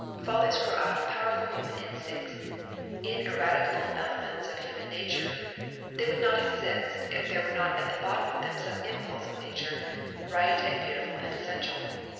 Follies grow out of powerful human instincts, ineradicable elements of human nature. They would not exist if there were not at the bottom of them some impulse of nature, right and beautiful and essential.